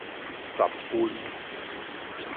十份